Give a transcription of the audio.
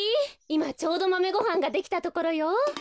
いまちょうどマメごはんができたところよ。